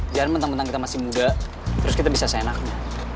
jangan mentang mentang kita masih muda terus kita bisa seenaknya